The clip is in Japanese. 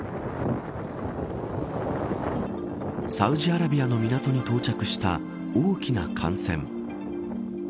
サウジアラビアの港に到着した大きな艦船。